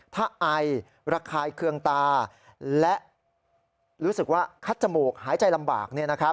ถ้าไอระคายเคืองตาและรู้สึกว่าคัดจมูกหายใจลำบาก